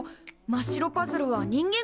まっ白パズルは人間